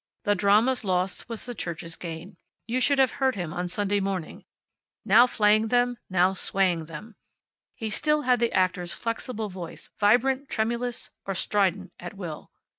The drama's loss was the Church's gain. You should have heard him on Sunday morning, now flaying them, now swaying them! He still had the actor's flexible voice, vibrant, tremulous, or strident, at will.